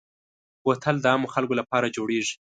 بوتل د عامو خلکو لپاره جوړېږي.